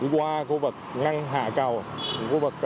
qua khu vực ngăn hạ cầu